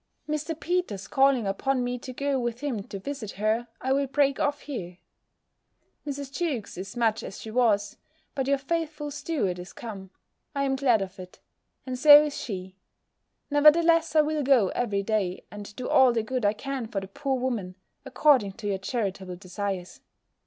Mr. Peters calling upon me to go with him to visit her, I will break off here. Mrs. Jewkes is much as she was; but your faithful steward is come. I am glad of it and so is she Nevertheless I will go every day, and do all the good I can for the poor woman, according to your charitable desires.